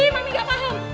mami gak paham